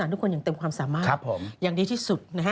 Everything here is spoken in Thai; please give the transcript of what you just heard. อายุให้เป็นยังเต็มความสามารถอย่างดีที่สุดนะฮะ